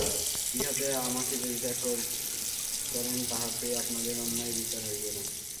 ইহাতে আমাকে যদি ত্যাগ করেন তাহাতে আপনাদের অন্যায় বিচার হইবে না।